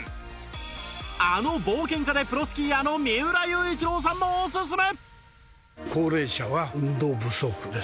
あの冒険家でプロスキーヤーの三浦雄一郎さんもおすすめ！